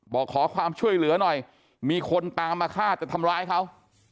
บอกขอความช่วยเหลือหน่อยมีคนตามมาฆ่าจะทำร้ายเขา